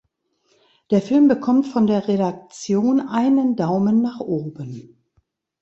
Der Film bekommt von der Redaktion einen Daumen nach oben.